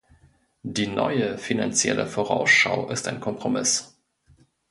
Die neue Finanzielle Vorausschau ist ein Kompromiss.